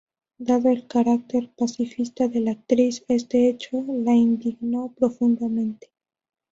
Dado el carácter pacifista de la actriz, este hecho la indignó profundamente.